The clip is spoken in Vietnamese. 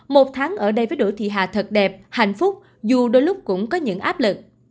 một tháng ở đây với đỗ thị hà thật đẹp hạnh phúc dù đôi lúc cũng có những áp lực